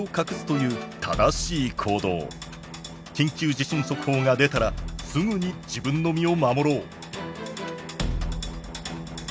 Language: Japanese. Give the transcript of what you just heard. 緊急地震速報が出たらすぐに自分の身を守ろう。